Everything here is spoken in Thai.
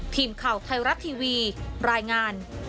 ทีมข่าวไทยรัฐทีวีรายงาน